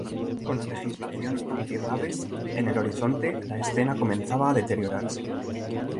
Con la legislación "anti-raves" en el horizonte, la escena comenzaba a deteriorarse.